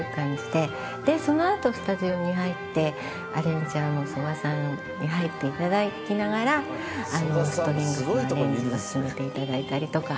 でそのあとスタジオに入ってアレンジャーの曽我さんに入っていただきながらストリングスのアレンジを進めていただいたりとか。